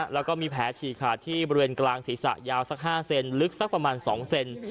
แล้วก็มีแผลฉีกขาดที่บริเวณกลางศีรษะยาวสัก๕เซนลึกสักประมาณ๒เซน